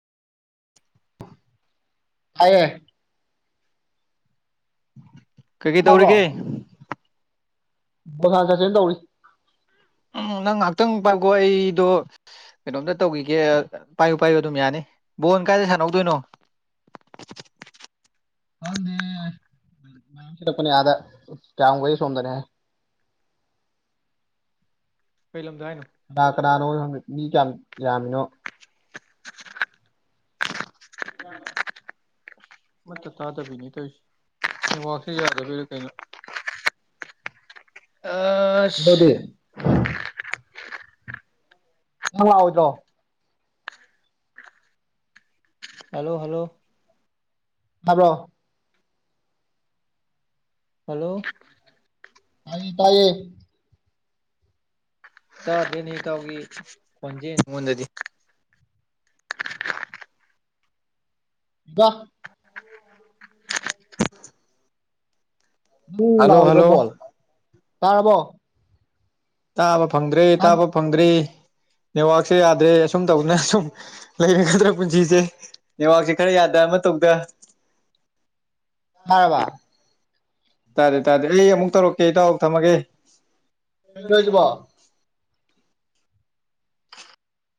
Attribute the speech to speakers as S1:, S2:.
S1: ꯑ [inaudible]
S2: ꯍꯥꯏꯌꯦ
S1: ꯀꯩ ꯀꯩ
S2: ꯇꯥꯕ꯭ꯔꯣ
S1: ꯇꯧꯔꯤꯒꯦ
S2: ꯕꯣꯔꯥ ꯆꯠꯁꯤꯅ ꯇꯧꯔꯤ
S1: ꯎꯝ ꯅꯪ ꯉꯥꯏꯍꯥꯛꯇꯪ ꯄꯥꯏꯈꯣ ꯑꯩꯗꯣ ꯀꯩꯅꯣꯝꯇ ꯇꯧꯈꯤꯒꯦ ꯄꯥꯏꯌꯨ ꯄꯥꯏꯌꯨ ꯑꯗꯨꯝ ꯌꯥꯅꯤ ꯕꯣꯟ ꯀꯥꯏꯗ ꯁꯥꯟꯅꯧꯗꯣꯏꯅꯣ
S2: ꯑꯗ [inaudible] ꯃꯔꯄꯅ ꯌꯥꯗ ꯀꯌꯥꯨꯒ ꯁꯣꯗꯅꯌꯥ ꯍꯥꯏ
S1: ꯀꯩ ꯂꯝꯗ ꯍꯥꯏꯅꯣ
S2: ꯀꯅꯥ ꯀꯅꯥꯅꯣ ꯍꯪ ꯃꯤ ꯀꯌꯥꯝ ꯌꯥꯝꯃꯤꯅꯣ
S1: [unintelligible] ꯃꯠꯇ ꯇꯥꯗꯕꯤꯅꯤ ꯇꯧꯔꯤꯁꯤ ꯋꯥꯁꯦ ꯌꯥꯗꯕꯤꯗ ꯀꯩꯅꯣ ꯑꯥꯁ
S2: ꯀꯩꯗꯧꯗꯤ ꯅꯪ ꯂꯥꯛꯑꯣꯏꯗꯔꯣ
S1: ꯍꯜꯂꯣ ꯍꯜꯂꯣ
S2: ꯇꯥꯕ꯭ꯔꯣ
S1: ꯍꯜꯂꯣ
S2: ꯇꯥꯏꯌꯦ ꯇꯥꯏꯌꯦ
S1: ꯆꯗꯅꯤ ꯇꯥꯎꯒꯤ ꯐꯟꯖꯦꯉꯣꯟꯗꯗꯤ
S2: ꯋꯥꯍ [inaudible] [inaudible] ꯎꯝ
S1: ꯍꯜꯂꯣ
S2: ꯂꯥꯎꯑꯣꯏꯗ꯭ꯔꯣ
S1: ꯍꯜꯂꯣ
S2: ꯕꯣꯜ ꯇꯥꯔꯕꯣ
S1: ꯇꯥꯕ ꯐꯪꯗ꯭ꯔꯦ ꯇꯥꯕ ꯐꯪꯗ꯭ꯔꯦ ꯅꯦꯠꯋꯥꯛꯁꯦ ꯌꯥꯗ꯭ꯔꯦ ꯑꯁꯨꯝ ꯇꯧꯗꯅ ꯁꯁꯨꯝ ꯂꯩꯔꯒꯗ꯭ꯔꯥ ꯄꯨꯟꯁꯤꯁꯦ ꯅꯦꯋꯥꯛꯁꯦ ꯈꯔ ꯌꯥꯗꯕ ꯑꯃ ꯇꯧꯗ
S2: ꯇꯥꯔꯕꯥ
S1: ꯇꯥꯔꯦ ꯇꯥꯔꯗꯤ ꯑꯩ ꯑꯃꯨꯛ ꯇꯧꯔꯛꯀꯦ ꯑꯩ ꯇꯥꯎ ꯊꯝꯃꯒꯦ
S2: ꯄꯒꯖꯕꯥ [inaudible]